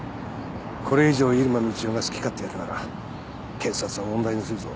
これ以上入間みちおが好き勝手やるなら検察は問題にするぞ。